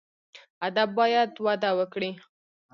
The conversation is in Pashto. ادب باید وده وکړي